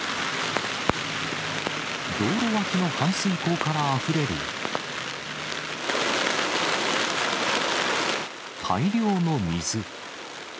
道路脇の排水溝からあふれる大量の水。